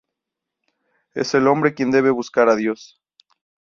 Es el hombre quien debe buscar a Dios.